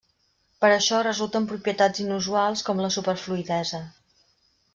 Per això resulten propietats inusuals com la superfluïdesa.